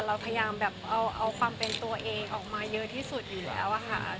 เราพยายามแบบเอาความเป็นตัวเองออกมาเยอะที่สุดอยู่แล้วค่ะ